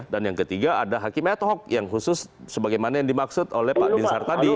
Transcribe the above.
dan yang ketiga ada hakim ad hoc yang khusus sebagaimana yang dimaksud oleh pak binsar tadi